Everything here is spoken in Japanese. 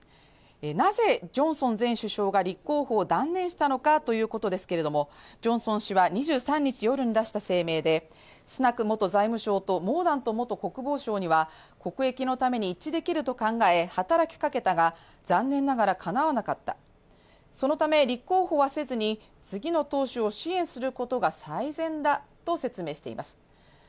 なぜジョンソン前首相が立候補を断念したのかということですけれども、ジョンソン氏は２３日夜に出した声明でスナク元財務相とモーダント元国防相には国益のために一致できると考え働きかけたが残念ながらかなわなかったそのため、立候補はせずに次の党首を支援することが最善だと説明しています。